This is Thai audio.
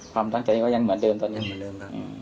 ความตั้งใจก็ยังเหมือนเดิมตอนนี้